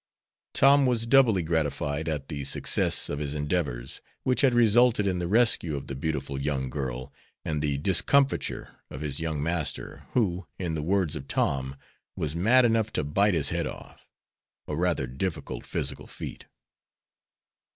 Tom was doubly gratified at the success of his endeavors, which had resulted in the rescue of the beautiful young girl and the discomfiture of his young master who, in the words of Tom, "was mad enough to bite his head off" (a rather difficult physical feat).